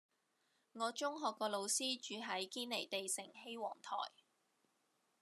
我中學個老師住喺堅尼地城羲皇臺